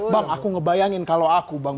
bang aku ngebayangin kalau aku bang